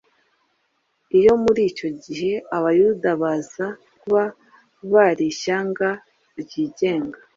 Iyo muri icyo gihe Abayuda baza kuba bari ishyanga ryigenga,